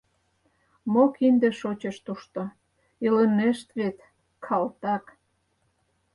Мо кинде шочеш тушто, илынешт вет, калтак!»